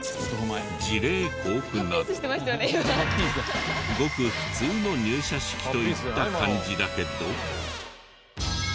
辞令交付などごく普通の入社式といった感じだけど。